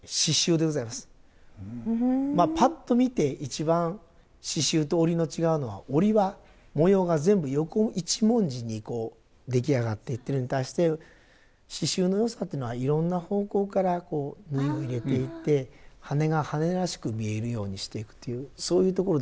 まあぱっと見て一番刺繍と織りの違うのは織りは模様が全部横一文字にこう出来上がっていってるのに対して刺繍のよさっていうのはいろんな方向から縫いを入れていって羽が羽らしく見えるようにしていくというそういうところではないかと思いますが。